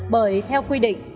bởi theo quy định